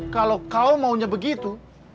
kalau kau maunya begitu